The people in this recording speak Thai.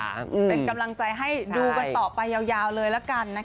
เป็นกำลังใจให้ดูกันต่อไปยาวเลยละกันนะคะ